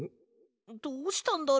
どうしたんだろ？